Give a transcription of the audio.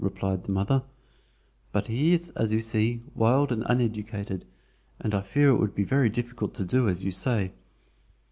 replied the mother; "but he is as you see, wild and uneducated, and I fear it would be very difficult to do as you say.